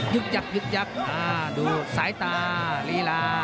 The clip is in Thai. ึกยักยึกยักษ์ดูสายตาลีลา